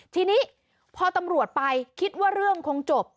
ทีนี้พอตำรวจไปคิดว่าเรื่องคงจบ